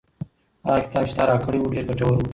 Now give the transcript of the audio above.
هغه کتاب چې تا راکړی و ډېر ګټور و.